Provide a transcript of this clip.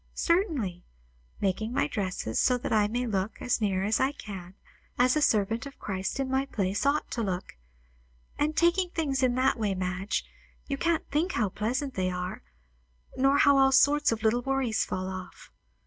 "Certainly. Making my dresses so that I may look, as near as I can, as a servant of Christ in my place ought to look. And taking things in that way, Madge, you can't think how pleasant they are; nor how all sorts of little worries fall off.